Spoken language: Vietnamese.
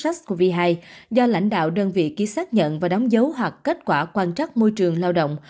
sars cov hai do lãnh đạo đơn vị ký xác nhận và đóng dấu hoặc kết quả quan trắc môi trường lao động